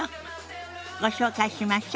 ご紹介しましょ。